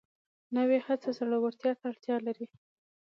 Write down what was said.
نوې هڅه زړورتیا ته اړتیا لري